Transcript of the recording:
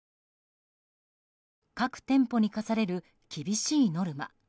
各店舗に課される厳しいノルマ。